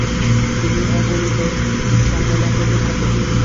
তিনি অগণিত সম্মাননা পেতে থাকেন।